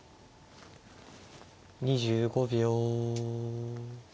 ２５秒。